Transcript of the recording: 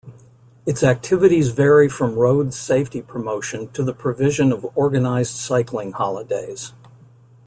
Its activities vary from road safety promotion to the provision of organised cycling holidays.